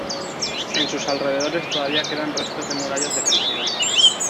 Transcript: En sus alrededores todavía quedan restos de murallas defensivas.